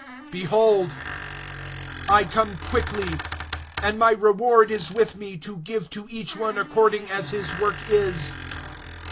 (12)Behold, I come quickly; and my reward is with me, to give to each one according as his work is.